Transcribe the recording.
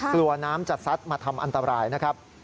กลัวน้ำจะซัดมาทำอันตรายนะครับ